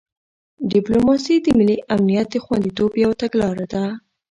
ډیپلوماسي د ملي امنیت د خوندیتوب یو تګلاره ده.